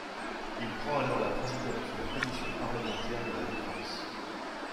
Il prend alors la présidence de la commission parlementaire de la Défense.